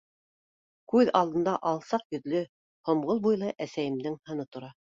Күҙ алдымда алсаҡ йөҙлө, һомғол буйлы әсәйемдең һыны тора.